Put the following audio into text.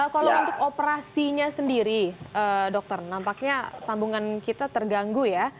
kalau untuk operasinya sendiri dokter nampaknya sambungan kita terganggu ya